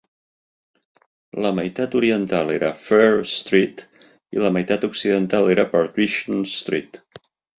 La meitat oriental era Fair Street i la meitat occidental era Partition Street.